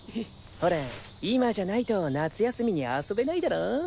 ほら今じゃないと夏休みに遊べないだろう。